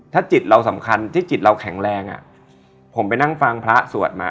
ถ้าจิตเราสำคัญที่จิตเราแข็งแรงผมไปนั่งฟังพระสวดมา